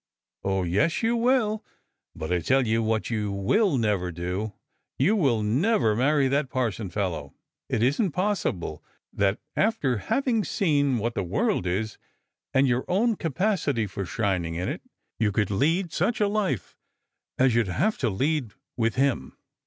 " O yes, you will. But I tell you what you will never do : you will never marry that parson fellow. It isn't possible that, after having seen what the world is, and your own capacity for shining in it, you could lead such a life as you'd have to lead with him."